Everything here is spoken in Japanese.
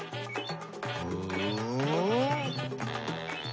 うん。